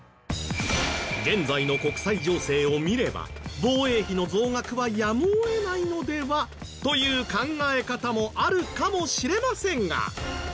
現在の国際情勢を見れば防衛費の増額はやむを得ないのではという考え方もあるかもしれませんが。